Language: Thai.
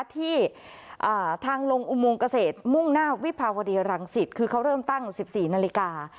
ที่ทางลงอุโมงเกษตรมุ่งหน้าวิภาวดีรังสิตคือเขาเริ่มตั้ง๑๔นาฬิกา